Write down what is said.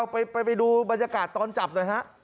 ไปดูบรรยากาศตอนจับหน่อยฮะ